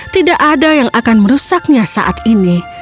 tidak ada yang akan merusaknya saat ini